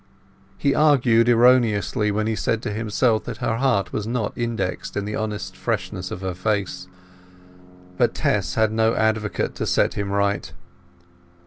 He argued erroneously when he said to himself that her heart was not indexed in the honest freshness of her face; but Tess had no advocate to set him right.